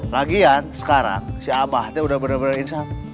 lagian sekarang si abahnya udah bener bener insap